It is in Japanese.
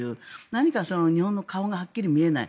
何か日本の顔がはっきり見えない。